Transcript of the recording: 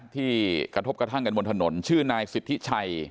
ที่กระทบกระทั่งกันบนถนนชื่อนายสิทธิชัย